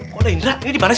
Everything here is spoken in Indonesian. kok ada indra ini dimana sih